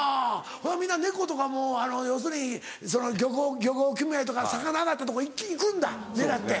ほな皆猫とかも要するに漁業組合とか魚揚がったとこ一気に行くんだ狙って。